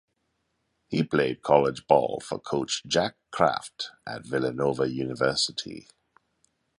He played college ball for coach Jack Kraft at Villanova University.